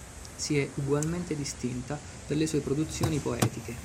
Si è ugualmente distinta per le sue produzioni poetiche.